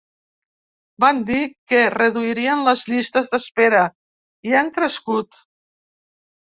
Van dir que reduirien les llistes d’espera, i han crescut.